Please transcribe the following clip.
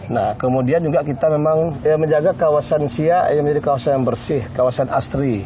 nah kemudian juga kita memang menjaga kawasan siak yang menjadi kawasan yang bersih kawasan asri